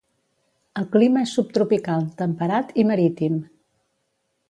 El clima és subtropical, temperat i marítim.